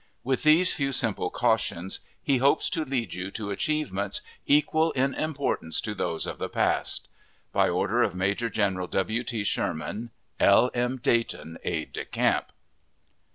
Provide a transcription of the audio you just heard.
With these few simple cautions, he hopes to lead you to achievements equal in importance to those of the past. By order of Major General W. T. Sherman, L. M. DAYTON, Aide de Camp.